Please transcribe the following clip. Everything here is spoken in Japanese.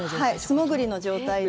素潜りの状態で。